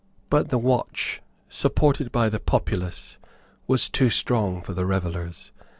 But the watch, supported by the populace, was too strong for the revellers.